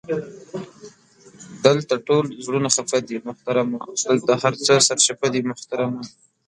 دالته ټول زړونه خفه دې محترمه، دالته هر څه سرچپه دي محترمه!